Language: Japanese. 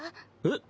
えっ？